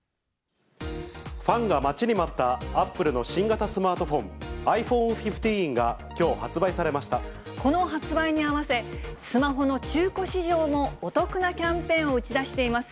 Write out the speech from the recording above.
ファンが待ちに待った、アップルの新型スマートフォン、ｉＰｈｏｎｅ１５がきょう、この発売に合わせ、スマホの中古市場もお得なキャンペーンを打ち出しています。